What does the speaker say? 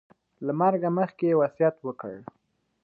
له مرګه مخکې یې وصیت وکړ.